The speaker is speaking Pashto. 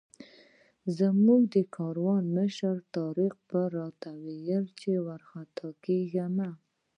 زموږ د کاروان مشر طارق به راته ویل چې وارخطا کېږه مه.